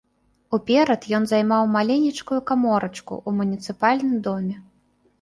Уперад ён займаў маленечкую каморачку ў муніцыпальным доме.